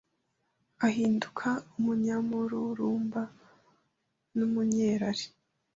Ahinduka umunyamururumba n’umunyerari